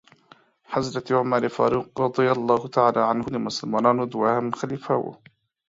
حضرت عمرفاروق رضی الله تعالی عنه د مسلمانانو دوهم خليفه وو .